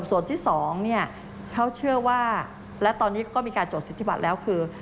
ส่วนที่๒เขาเชื่อว่าและตอนนี้ก็มีการจดสิทธิบัตรแล้วคือ